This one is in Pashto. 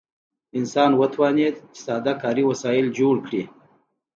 انسان وتوانید چې ساده کاري وسایل جوړ کړي.